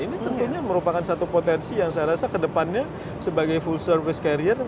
ini tentunya merupakan satu potensi yang saya rasa kedepannya sebagai full service carrier